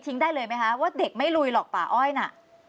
ได้เลยไหมคะว่าเด็กไม่ลุยหรอกป่าอ้อยน่ะ